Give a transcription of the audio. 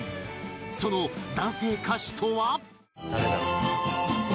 その男性歌手とは？